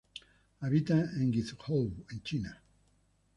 Habita en Guizhou en China.